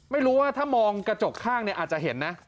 ไม่รู้ว่าถ้ามองกระจกข้างเนี่ยอาจจะเห็นนะ